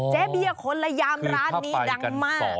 เจ๊เบียคนละย่ำร้านนี้แรงมาก